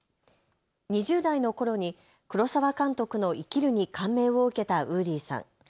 ２０代のころに黒澤監督の生きるに感銘を受けたウーリーさん。